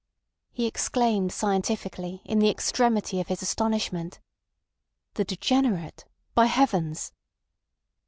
He exclaimed scientifically, in the extremity of his astonishment: "The degenerate—by heavens!"